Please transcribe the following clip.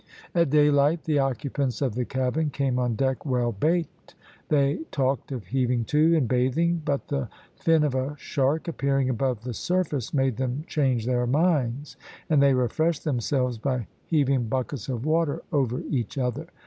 At daylight the occupants of the cabin came on deck well baked. They talked of heaving to and bathing, but the fin of a shark appearing above the surface made them change their minds, and they refreshed themselves by heaving buckets of water over each other.